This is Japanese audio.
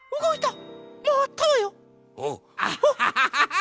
アッハハハハ！